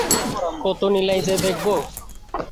কত লীলাই যে দেখব!